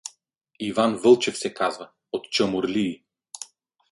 Иван Вълчев се казва, от Чамурлии.